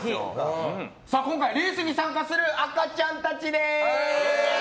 今回、レースに参加する赤ちゃんたちです！